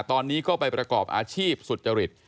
ตอนนี้ก็ไปประกอบอาชีพสุจริต